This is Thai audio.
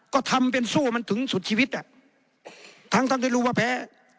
ก็ทำเป็นสู้มันถึงสุดชีวิตอ่ะทั้งทั้งที่รู้ว่าแพ้